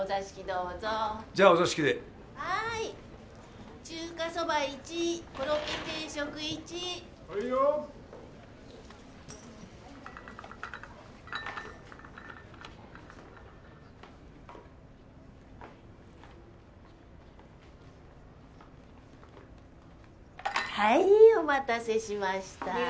はいお待たせしました。